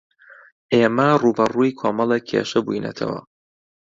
ئێمە ڕووبەڕووی کۆمەڵێک کێشە بووینەتەوە.